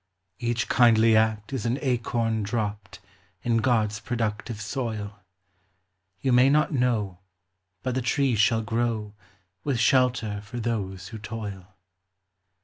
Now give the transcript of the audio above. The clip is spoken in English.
Each kindly act is an acorn dropped In God's productive soil. You may not know, but the tree shall grow, With shelter for those who toil.